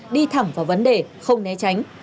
đi thẳng vào vấn đề không né tránh